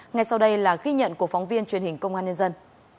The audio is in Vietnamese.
ngay sau đây là ghi nhận của phóng viên truyền hình công an nhân dân